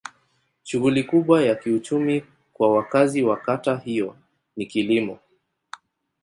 Shughuli kubwa ya kiuchumi kwa wakazi wa kata hiyo ni kilimo.